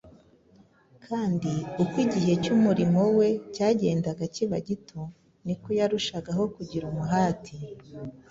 kandi uko igihe cy’umurimo we cyagendaga kiba gito niko yarushagaho kugira umuhati